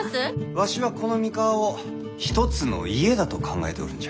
わしはこの三河を一つの家だと考えておるんじゃ。